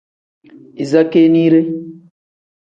Iza keeniire.